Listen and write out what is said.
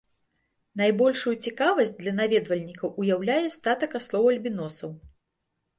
Найбольшую цікавасць для наведвальнікаў уяўляе статак аслоў-альбіносаў.